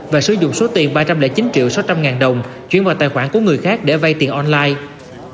và sử dụng số tiền ba trăm linh chín triệu sáu trăm linh ngàn đồng chuyển vào tài khoản của người khác để vay tiền online